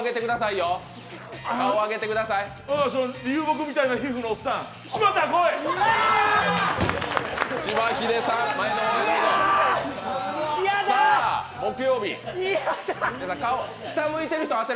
そこの流木みたいな皮膚のおっさん、木曜日。